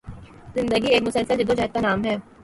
زندگی ایک مسلسل جدوجہد کا نام ہے